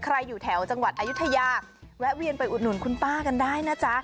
อยู่แถวจังหวัดอายุทยาแวะเวียนไปอุดหนุนคุณป้ากันได้นะจ๊ะ